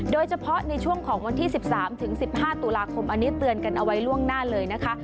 โดยเฉพาะในช่วงของวันที่๑๓๑๕ตุลาคมอันนี้เตือนกันเอาไว้ล่วงหน้าเลยนะคะ